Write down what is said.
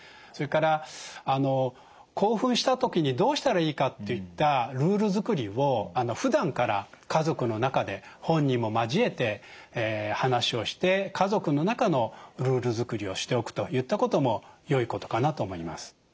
それから興奮した時にどうしたらいいかといったルール作りをふだんから家族の中で本人も交えて話をして家族の中のルール作りをしておくといったこともよいことかなと思います。